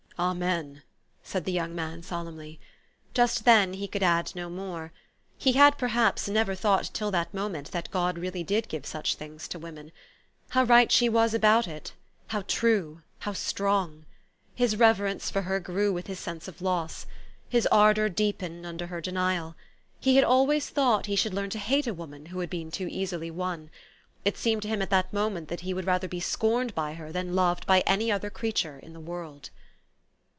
"Amen!" said the } 7 oung man solemnly. Just then he could add no more. He had, perhaps, never thought till that moment that God really did give such things to women. How right she was about it ! How true, how strong ! His reverence for her grew with Ms sense of loss. His ardor deepened under her denial. He had always thought he should learn to hate a woman who had been too easily won. It seemed to him at that moment that he would rather be scorned by her than loved by any other creature in the world.